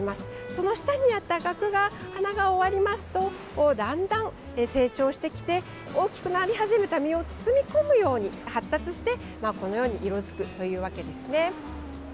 その下にあったガクが花が終わりますとだんだん成長してきて大きくなり始めた実を包み込むように発達してこのように色づくというわけです。